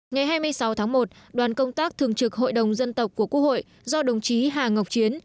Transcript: ngày hai mươi sáu tháng một đoàn công tác thường trực hội đồng dân tộc của quốc hội do đồng chí hà ngọc chiến